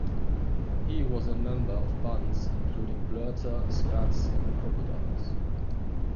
He was a member of bands including Blerta, Spats and The Crocodiles.